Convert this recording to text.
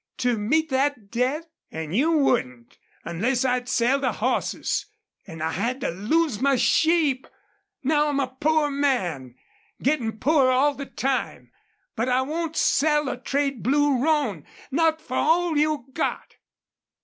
To meet thet debt? An' you wouldn't, unless I'd sell the hosses. An' I had to lose my sheep. Now I'm a poor man gettin' poorer all the time. But I won't sell or trade Blue Roan, not for all you've got!"